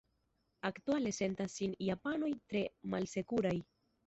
Aktuale sentas sin japanoj tre malsekuraj.